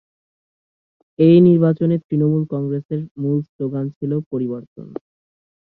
এই নির্বাচনে তৃণমূল কংগ্রেসের মূল শ্লোগান ছিল ‘পরিবর্তন’।